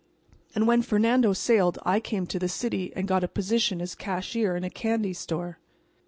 And when Fernando sailed I came to the city and got a position as cashier in a candy store."